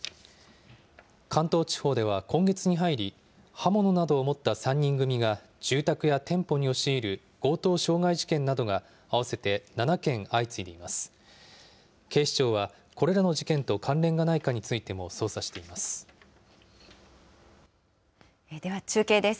関東地方では今月に入り、刃物などを持った３人組が住宅や店舗に押し入る強盗傷害事件などが合わせて７件相次いでいます。